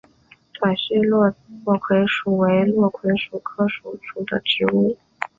短序落葵薯为落葵科落葵薯属的植物。